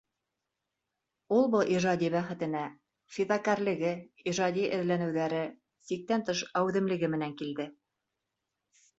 Ул был ижади бәхетенә фиҙакәрлеге, ижади эҙләнеүҙәре, сиктән тыш әүҙемлеге менән килде.